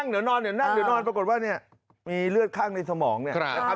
เดี๋ยวนั่งเดี๋ยวนอนปรากฏว่าเนี่ยมีเลือดข้างในสมองเนี่ย